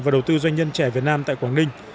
và đầu tư doanh nhân trẻ việt nam tại quảng ninh